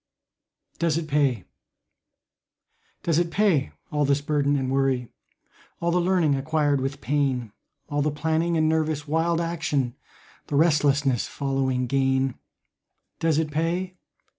DOES IT PAY? Does it pay all this burden and worry, All the learning acquired with pain, All the planning and nervous wild action, The restlessness following gain, Does it pay?